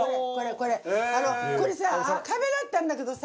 あのこれさ壁だったんだけどさ